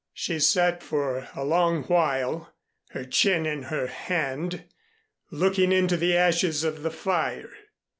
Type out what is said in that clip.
She sat for a long while, her chin in her hand, looking into the ashes of the fire.